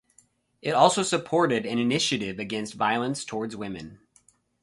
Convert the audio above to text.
It also supported an initiative against violence towards women.